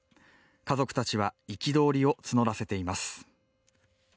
家族たちは憤りを募らせています。